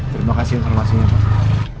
terima kasih informasinya pak